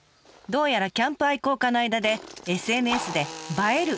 どうやらキャンプ愛好家の間でＳＮＳで映える！